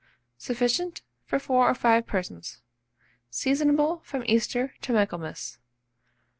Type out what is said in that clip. Sufficient for 4 or 5 persons. Seasonable from Easter to Michaelmas.